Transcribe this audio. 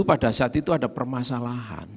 pada saat itu ada permasalahan